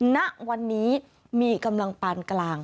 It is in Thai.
ณวันนี้มีกำลังปานกลาง